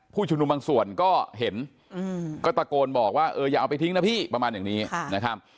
ผู้ชุมนุมบางส่วนก็เห็นก็ตะโกนบอกว่าเอออย่าเอาไปทิ้งนะพี่ประมาณอย่างนี้นะครับ